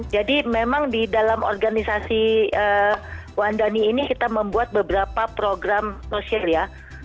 jadi memang di dalam organisasi wandani ini kita membuat beberapa program sosial ya